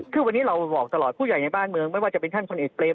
คือวันนี้เราบอกตลอดผู้ใหญ่ในบ้านเมืองไม่ว่าจะเป็นท่านพลเอกเปรม